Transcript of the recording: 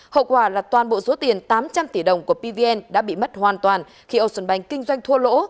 hậu quả là toàn bộ số tiền tám trăm linh tỷ đồng của pvn đã bị mất hoàn toàn khi ocean bank kinh doanh thua lỗ